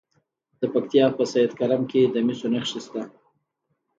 د پکتیا په سید کرم کې د مسو نښې شته.